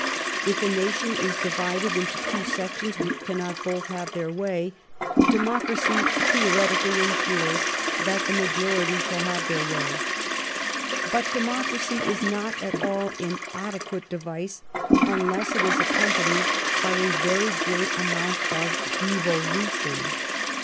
If a nation is divided into two sections which cannot both have their way, democracy theoretically insures that the majority shall have their way. But democracy is not at all an adequate device unless it is accompanied by a very great amount of devolution.